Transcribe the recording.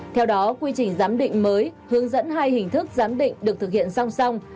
theo đó quy trình giám định mới hướng dẫn hai hình thức giám định được thực hiện song song